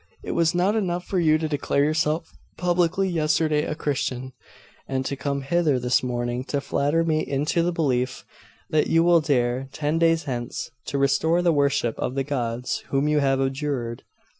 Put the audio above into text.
It was not enough for you to declare yourself publicly yesterday a Christian, and to come hither this morning to flatter me into the belief that you will dare, ten days hence, to restore the worship of the gods whom you have abjured!